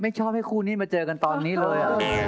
ชอบให้คู่นี้มาเจอกันตอนนี้เลย